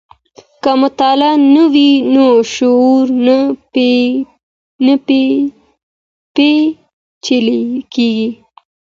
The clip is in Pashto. که مطالعه نه وي نو شعور نه پېچلی کیږي.